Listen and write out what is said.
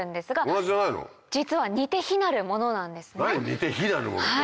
似て非なるものって。